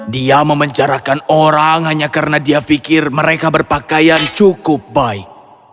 dia memenjarakan orang hanya karena dia pikir mereka berpakaian cukup baik